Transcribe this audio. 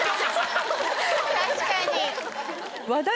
確かに。